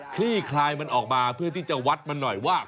ลี่คลายมันออกมาเพื่อที่จะวัดมันหน่อยว่า